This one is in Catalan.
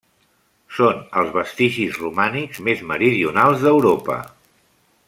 Són els vestigis romànics més meridionals d'Europa.